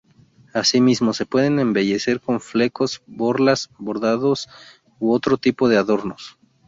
Así mismo, se puede embellecer con flecos, borlas, bordados u otro tipo de adornos.